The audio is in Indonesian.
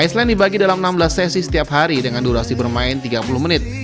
iceland dibagi dalam enam belas sesi setiap hari dengan durasi bermain tiga puluh menit